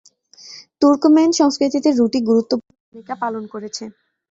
Turkmen সংস্কৃতিতে রুটি গুরুত্বপূর্ণ ভূমিকা পালন করেছে।